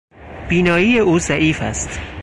بینایی او ضعیف است.